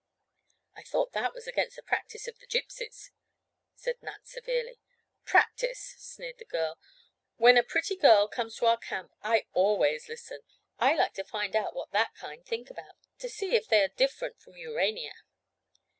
"I thought that was against the practice of the Gypsies," said Nat severely. "Practice!" sneered the girl. "When a pretty girl comes to our camp I always listen. I like to find out what that kind think about! To see if they are different from Urania!"